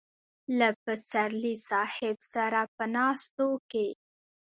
له پسرلي صاحب سره په ناستو کې.